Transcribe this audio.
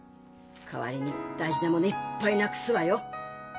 代わりに大事なものいっぱい無くすわよ。